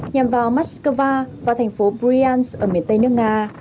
nhằm vào moskva và thành phố bryansk ở miền tây nước nga